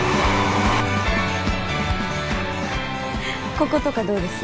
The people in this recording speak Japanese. こことかどうです？